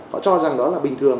họ cho rằng đó là bình thường